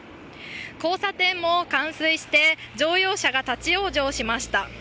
交差点も冠水して、乗用車が立往生しました。